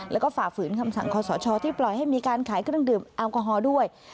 แล้วก็ฝ่าฝืนคำสั่งคอสชที่ปล่อยให้มีการขายเครื่องดื่มแอลกอฮอล์ด้วย